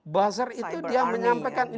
buzzer itu dia menyampaikan